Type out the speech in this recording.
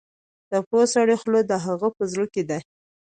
د پوه سړي خوله د هغه په زړه کې ده.